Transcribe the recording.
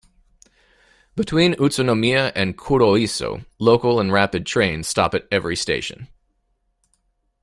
Between Utsunomiya and Kuroiso, local and rapid trains stop at every station.